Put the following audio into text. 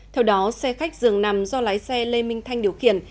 theo đó xe khách dường nằm do lái xe lê minh thanh điều khiển